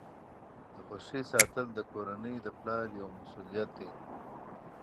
د خوښۍ ساتل د کورنۍ د پلار یوه مسؤلیت ده.